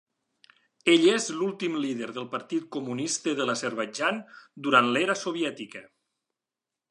Ell és l'últim líder del Partit Comunista de l'Azerbaidjan durant l'era soviètica.